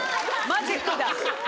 マジックだ。